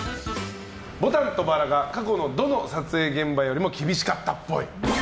「牡丹と薔薇」が過去のどの撮影現場よりも厳しかったっぽい。